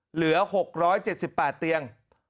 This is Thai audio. เหลือ๖๗๘เตียง